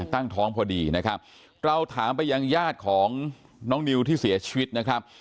ตั้งท้องพอดีนะครับเราถามไปยังญาติของน้องนิวที่เสียชีวิตนะครับ